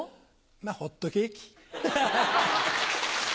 まぁホットケーキ。